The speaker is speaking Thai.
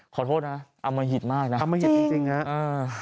ขอโทษนะอมหิตมากนะอมหิตจริงจริงฮะอ่า